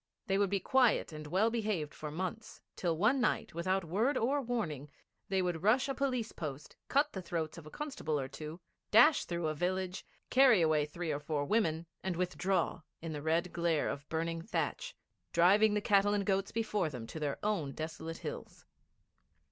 They would be quiet and well behaved for months, till one night, without word or warning, they would rush a police post, cut the throats of a constable or two, dash through a village, carry away three or four women, and withdraw, in the red glare of burning thatch, driving the cattle and goats before them to their own desolate hills.